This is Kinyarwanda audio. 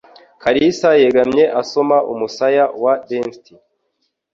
Kalisa yegamye asoma umusaya wa Destiny.